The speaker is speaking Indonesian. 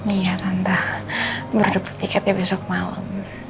iya tante baru dapet tiketnya besok malam